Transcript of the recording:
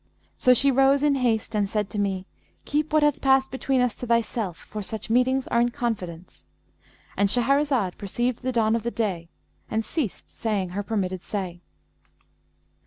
So she rose in haste and said to me, 'Keep what hath passed between us to thyself; for such meetings are in confidence;'"—And Shahrazad perceived the dawn of day and ceased saying her permitted say.